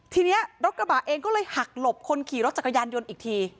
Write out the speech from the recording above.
ทีนี้รถกระบะเองก็เลยหักหลบคนขี่รถจักรยานยนต์อีกที